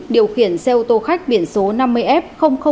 điều khiển xe ô tô khách biển số năm mươi f bốn trăm tám mươi ba